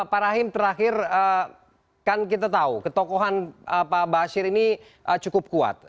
pak rahim terakhir kan kita tahu ketokohan pak bashir ini cukup kuat